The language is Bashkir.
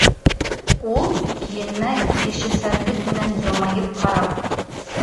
Ул, килененә килешеүсәнлек менән йылмайып ҡарап: